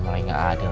malah ngga adil